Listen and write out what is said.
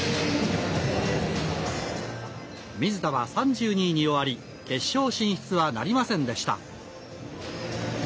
水田は３２位に終わり決勝進出はなりませんでした。